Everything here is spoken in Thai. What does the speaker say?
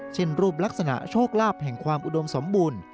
เช่นรูปลักษณะโชคลาภแห่งความอุดมสมบูรณ์